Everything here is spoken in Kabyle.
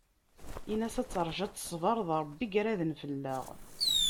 In-as ad terju, ad teṣber, d Rebbi i iraden fell-aɣ.